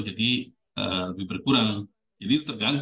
jadi lebih berkurang jadi